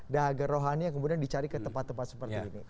dahaga rohani yang kemudian dicari ke tempat tempat seperti ini